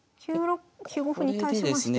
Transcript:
９五歩に対しまして。